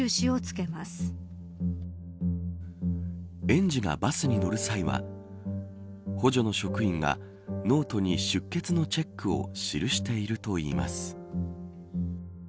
園児がバスに乗る際は補助の職員がノートに出欠のチェックを記しているといいます。